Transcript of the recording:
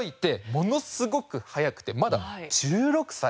ものすごく速くてまだ１６歳。